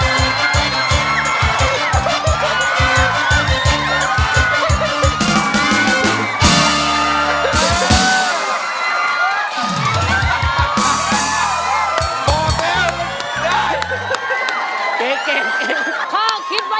เดี๋ยวจะเอาตุ๊กตายอันนี้มาให้